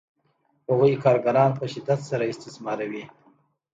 هغوی کارګران په شدت سره استثماروي